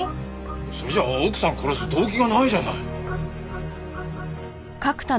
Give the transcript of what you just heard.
それじゃあ奥さん殺す動機がないじゃない。